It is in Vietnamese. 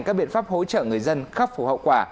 các biện pháp hỗ trợ người dân khắp phủ hậu quả